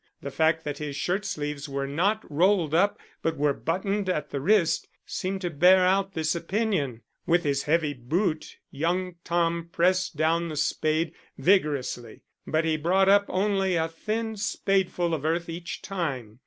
The fact that his shirt sleeves were not rolled up but were buttoned at the wrist seemed to bear out this opinion. With his heavy boot young Tom pressed down the spade vigorously, but he brought up only a thin spadeful of earth each time.